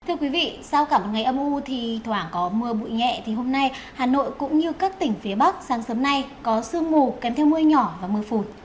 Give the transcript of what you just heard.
thưa quý vị sau cả một ngày âm u thì thoảng có mưa bụi nhẹ thì hôm nay hà nội cũng như các tỉnh phía bắc sáng sớm nay có sương mù kèm theo mưa nhỏ và mưa phùn